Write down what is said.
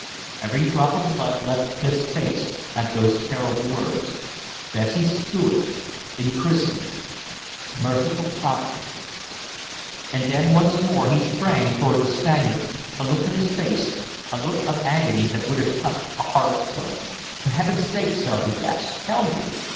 Every drop of blood left Clif's face at those terrible words. Bessie Stuart in prison! "Merciful providence!" he gasped. And then once more he sprang toward the Spaniard, a look on his face, a look of agony that would have touched a heart of stone. "For Heaven's sake, sir," he gasped, "tell me!"